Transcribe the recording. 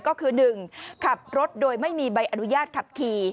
ก็คือ๑ขับรถโดยไม่มีใบอนุญาตขับขี่